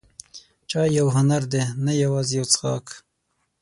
چای یو هنر دی، نه یوازې یو څښاک.